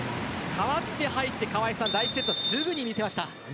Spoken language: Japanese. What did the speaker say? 代わって入って第１セット、すぐに見せましたね。